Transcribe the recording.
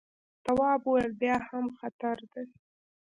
تواب وويل: بیا هم خطر دی.